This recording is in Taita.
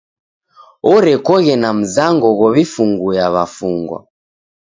Orekoghe na mzango ghow'ifunguya w'afungwa.